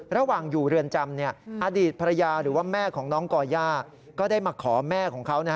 ระหว่างอยู่เรือนจำอดีตภรรยาหรือว่าแม่ของน้องก่อย่าก็ได้มาขอแม่ของเขา